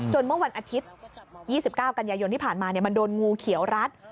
จนเมื่อวันอาทิตย์ยี่สิบเก้ากันยายนที่ผ่านมาโงงูเขียวรัด